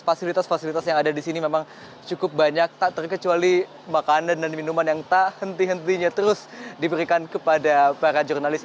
fasilitas fasilitas yang ada di sini memang cukup banyak tak terkecuali makanan dan minuman yang tak henti hentinya terus diberikan kepada para jurnalis